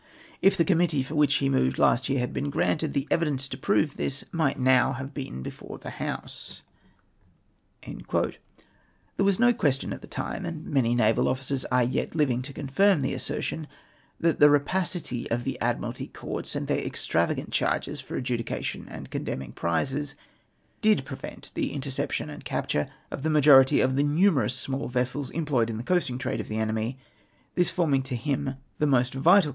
If the Committee for which he moved last year had lieen granted, the evidence to prove this might now have been before the House." There was no question at the time, and many naval officers are yet living to confirm the assertion, that the rapacity of the Admiralty Courts and their extravagant charges for adjudication and condemning prizes did prevent the interception and capture of the majority of the numerous small vessels employed in the coasting trade of the enemy, this forming to him the most vital 186 ITS EXTORTIOXATE CHARGES.